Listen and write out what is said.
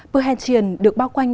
perhentian được bao quanh